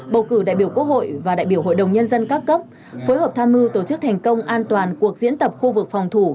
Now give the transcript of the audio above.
bầu cử đại biểu quốc hội và đại biểu hội đồng nhân dân các cấp phối hợp tham mưu tổ chức thành công an toàn cuộc diễn tập khu vực phòng thủ